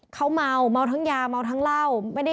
เขาเมาเมาทั้งยาเมาทั้งเหล้า